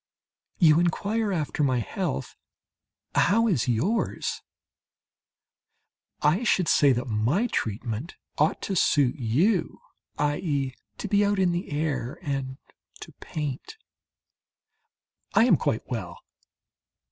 You inquire after my health. How is yours? I should say that my treatment ought to suit you i.e., to be out in the air and to paint. I am quite well.